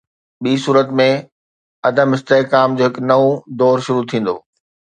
ٻي صورت ۾، عدم استحڪام جو هڪ نئون دور شروع ٿيندو.